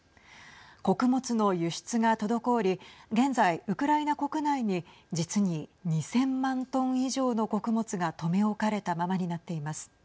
穀物の輸出が滞り現在、ウクライナ国内に実に２０００万トン以上の穀物が留め置かれたままになっています。